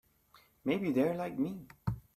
Maybe they're like me.